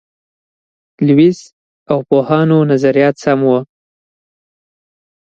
لویس او پوهانو نظریات سم وو.